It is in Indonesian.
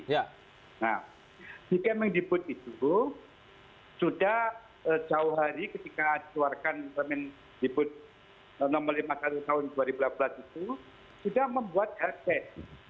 nah di km yang dibut itu sudah jauh hari ketika dituarkan km yang dibut nomor lima puluh satu tahun dua ribu dua belas itu sudah membuat herpes